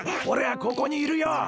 おれはここにいるよ！